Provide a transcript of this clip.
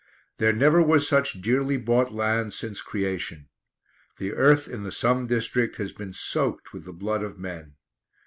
There never was such dearly bought land since creation. The earth in the Somme district has been soaked with the blood of men.